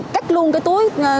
cách luôn cái túi